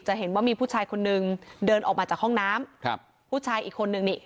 เห็นว่ามีผู้ชายคนนึงเดินออกมาจากห้องน้ำครับผู้ชายอีกคนนึงนี่